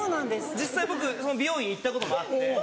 実際僕その美容院行ったこともあって。